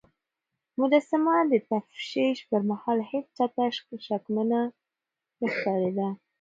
مجسمه د تفتيش پر مهال هيڅ چا ته شکمنه نه ښکارېده.